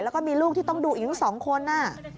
แล้วก็มีลูกที่ต้องดูอีก๒คน